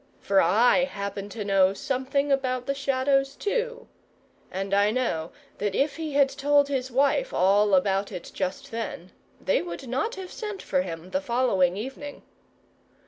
For I happen to know something about the Shadows too; and I know that if he had told his wife all about it just then, they would not have sent for him the following evening.